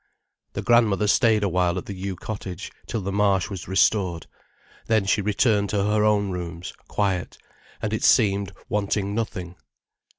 The grandmother stayed a while at the Yew Cottage, till the Marsh was restored. Then she returned to her own rooms, quiet, and it seemed, wanting nothing.